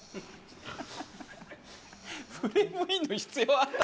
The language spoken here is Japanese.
フレームインの必要あった？